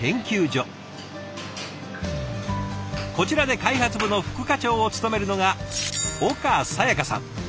こちらで開発部の副課長を務めるのが岡哉耶花さん。